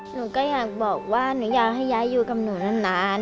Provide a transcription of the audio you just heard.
หนูก็อยากบอกว่าหนูอยากให้ยายอยู่กับหนูนาน